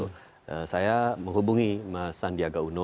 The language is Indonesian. jadi saya menghubungi mas sandiaga uno